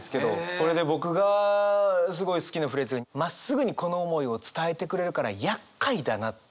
これで僕がすごい好きなフレーズが「まっすぐにこの想いを伝えてくれるから厄介だな」っていうのが。